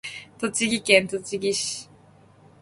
栃木県栃木市